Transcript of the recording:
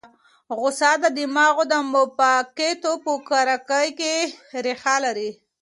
غوسه د دماغ د مکافاتو په کړۍ کې ریښه لري.